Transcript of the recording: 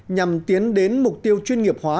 nhằm tiến đến mục tiêu chuyên nghiệp hóa